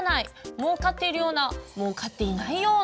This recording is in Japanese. もうかっているようなもうかっていないような。